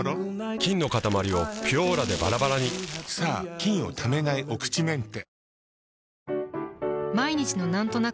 菌のかたまりを「ピュオーラ」でバラバラにさぁ菌をためないお口メンテ。